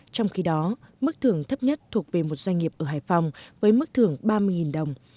trong khi đó mức thưởng thấp nhất thuộc về một doanh nghiệp ở hải phòng với mức thưởng ba mươi đồng